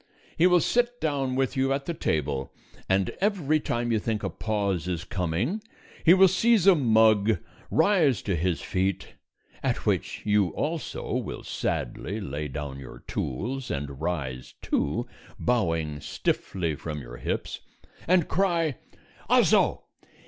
He will sit down with you at the table, and every time you think a pause is coming he will seize a mug, rise to his feet (at which you also will sadly lay down your tools and rise, too, bowing stiffly from your hips), and cry: "_Also!